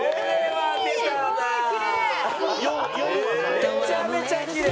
めちゃめちゃきれい。